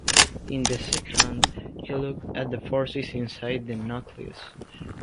In the second, he looked at the forces inside the nucleus.